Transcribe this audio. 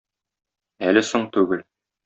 Әле соң түгел...